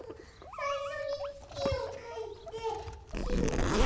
さいしょに「つき」をかいてきゅっと。